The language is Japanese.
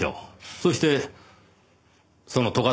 そしてその斗ヶ